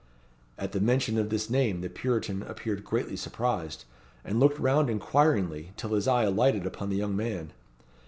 At the mention of this name the Puritan appeared greatly surprised, and looked round inquiringly, till his eye alighted upon the young man.